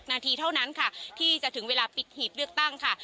นาทีเท่านั้นค่ะที่จะถึงเวลาปิดหีบเลือกตั้งค่ะ